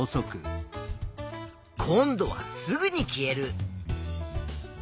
今度はすぐに消える。